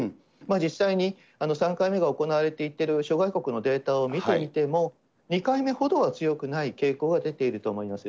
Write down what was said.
実際に３回目が行われていってる諸外国のデータを見てみても、２回目ほどは強くない傾向が出ていると思います。